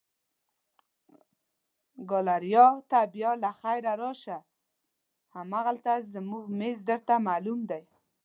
ګالیریا ته بیا له خیره راشه، همالته زموږ مېز درته معلوم دی.